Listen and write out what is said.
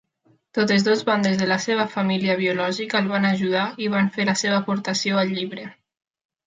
Totes dues bandes de la seva família biològica el van ajudar i van fer la seva aportació al llibre.